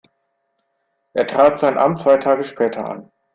Er trat sein Amt zwei Tage später an.